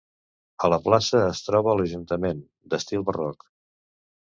A la plaça es troba l'Ajuntament, d'estil barroc.